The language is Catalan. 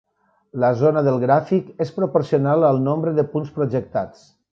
La zona del gràfic és proporcional al nombre de punts projectats.